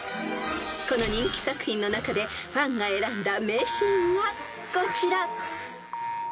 ［この人気作品の中でファンが選んだ名シーンがこちら］